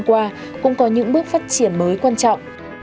hôm qua cũng có những bước phát triển mới quan trọng